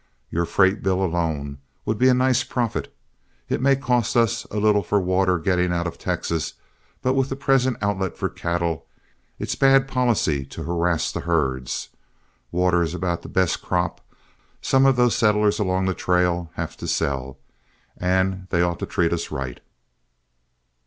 Your freight bill alone would be a nice profit. It may cost us a little for water getting out of Texas, but with the present outlet for cattle, it's bad policy to harass the herds. Water is about the best crop some of those settlers along the trail have to sell, and they ought to treat us right."